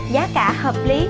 giá cả hợp lý